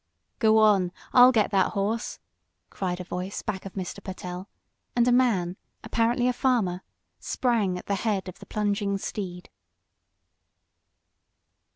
"Go on! I'll get that horse!" cried a voice back of Mr. Pertell, and a man, apparently a farmer, sprang at the head of the plunging steed.